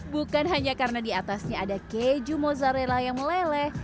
bukan hanya karena diatasnya ada keju mozzarella yang meleleh